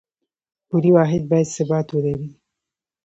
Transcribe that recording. پولي واحد باید ثبات ولري